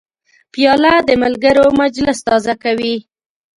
پیاله د ملګرو مجلس تازه کوي.